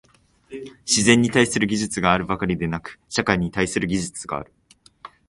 自然に対する技術があるばかりでなく、社会に対する技術がある。